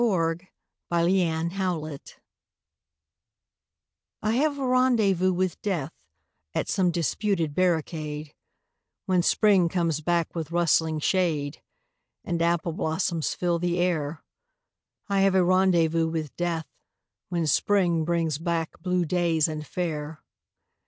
I HAVE A RENDEZVOUS WITH DEATH I have a rendezvous with Death At some disputed barricade, When Spring comes back with rustling shade And apple blossoms fill the air — I have a rendezvous with Death When Spring brings back blue days and fair.